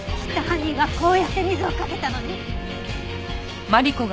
きっと犯人はこうやって水をかけたのね。